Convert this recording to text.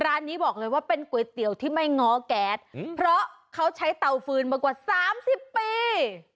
ร้านนี้บอกเลยว่าเป็นก๋วยเตี๋ยวที่ไม่ง้อแก๊สเพราะเขาใช้เตาฟืนมากว่า๓๐ปี